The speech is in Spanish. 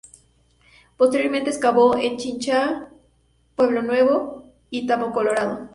Posteriormente excavó en Chincha, Pueblo Nuevo y Tambo Colorado.